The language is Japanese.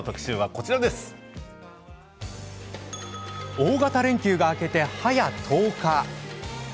大型連休が明けて早１０日。